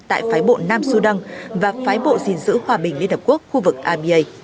tại phái bộ nam sudan và phái bộ dình giữ hòa bình liên hợp quốc khu vực aba